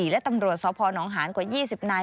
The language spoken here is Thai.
และตำรวจสพนหารกว่า๒๐นาย